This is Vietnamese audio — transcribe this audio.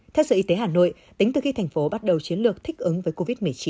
theo sở y tế hà nội tính từ khi thành phố bắt đầu chiến lược thích ứng với covid một mươi chín